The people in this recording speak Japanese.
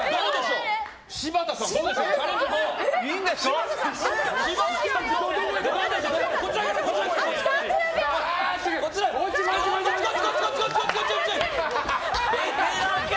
柴田さん、どうでしょうか。